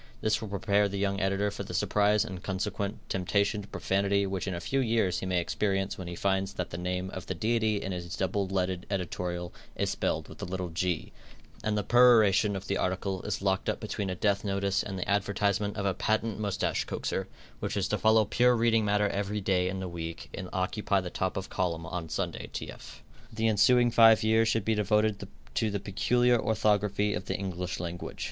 This will prepare the young editor for the surprise and consequent temptation to profanity which in a few years he may experience when he finds that the name of the Deity in his double leaded editorial is spelled with a little "g," and the peroration of the article is locked up between a death notice and the advertisement of a patent moustache coaxer, which is to follow pure reading matter every day in the week and occupy the top of column on Sunday tf. The ensuing five years should be devoted to the peculiar orthography of the English language.